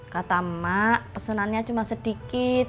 kata mak pesanannya cuma sedikit